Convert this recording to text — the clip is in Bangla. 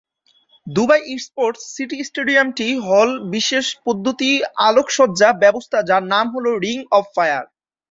দুবাই স্পোর্টস সিটি স্টেডিয়ামটি হল বিশেষ পদ্ধতির আলোকসজ্জা ব্যবস্থা যার নাম হল "রিং অব ফায়ার"।